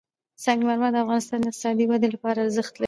سنگ مرمر د افغانستان د اقتصادي ودې لپاره ارزښت لري.